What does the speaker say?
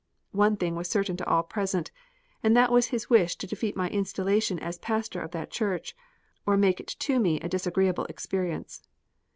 One thing was certain to all present, and that was his wish to defeat my installation as pastor of that church, or make it to me a disagreeable experience.